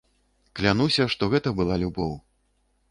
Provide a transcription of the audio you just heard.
Клянуся, што гэта была любоў.